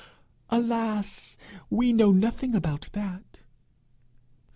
'Alas, we know nothing about that!'